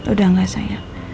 udah gak sayang